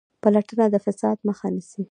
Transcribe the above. پلټنه د فساد مخه نیسي